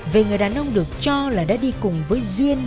về người đàn ông được cho là đã đi cùng với duyên